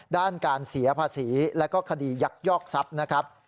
ด้านการเสียภาษีแล้วก็คดียักยอกทรัพย์นะครับ